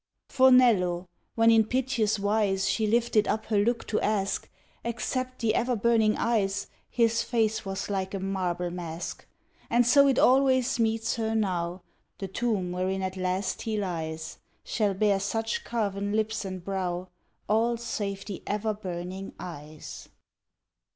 For Nello when in piteous wise She lifted up her look to ask, Except the ever burning eyes His face was like a marble mask. And so it always meets her now; The tomb wherein at last he lies Shall bear such carven lips and brow, All save the ever burning eyes.